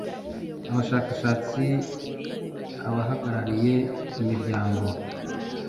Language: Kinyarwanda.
abashakashatsi abahagarariye imiryango